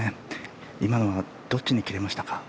今のはどっちに切れましたか？